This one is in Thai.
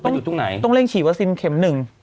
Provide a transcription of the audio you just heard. อยู่ตรงไหนต้องเร่งฉีดวัคซีนเข็มหนึ่ง